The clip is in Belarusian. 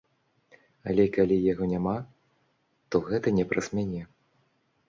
Але калі яго няма, то гэта не праз мяне.